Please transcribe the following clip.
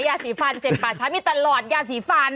ยาสีฟัน๗ป่าช้ามีตลอดยาสีฟัน